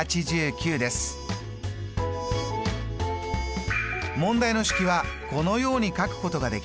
問題の式はこのように書くことができます。